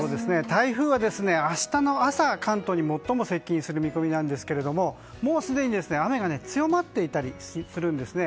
台風は明日の朝関東に最も接近する見込みですがもうすでに雨が強まっているんですね。